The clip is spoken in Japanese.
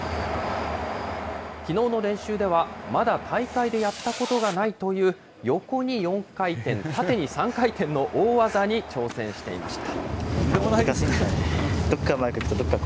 きのうの練習ではまだ大会でやったことがないという横に４回転、縦に３回転の大技に挑戦していました。